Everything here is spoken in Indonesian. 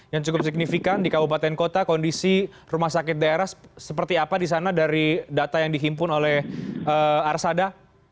yang cukup signifikan di kabupaten kota kondisi rumah sakit daerah seperti apa di sana dari data yang dihimpun oleh arsada